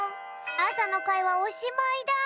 朝の会はおしまいだ！